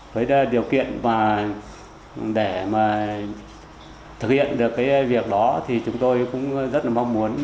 với điều kiện để thực hiện được cái việc đó thì chúng tôi cũng rất là mong muốn